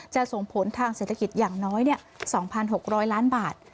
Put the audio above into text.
ส่งผลทางเศรษฐกิจอย่างน้อย๒๖๐๐ล้านบาท